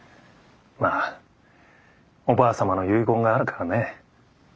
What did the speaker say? まあおばあさまの遺言があるからね。